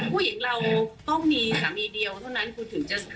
ผู้หญิงเราต้องมีสามีเดียวเท่านั้นคือถึงจะ